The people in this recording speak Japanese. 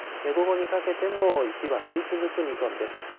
午後にかけても、雪は降り続く見込みです。